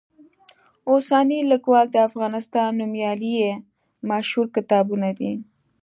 اوسنی لیکوال، د افغانستان نومیالي یې مشهور کتابونه دي.